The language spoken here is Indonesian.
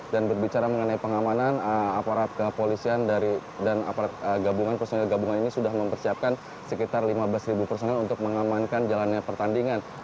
dan berbicara mengenai pengamanan aparat kepolisian dan personal gabungan ini sudah mempersiapkan sekitar lima belas personal untuk mengamankan jalannya pertandingan